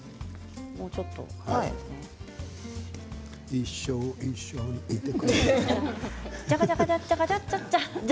「一生一緒にいてくれや」。